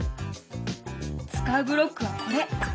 使うブロックはこれ。